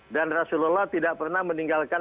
dan rasulullah tidak pernah menyingkirkan